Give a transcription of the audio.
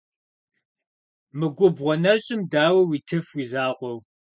Мы губгъуэ нэщӀым дауэ уитыф уи закъуэу?